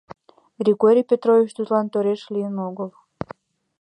Григорий Петрович тудлан тореш лийын огыл.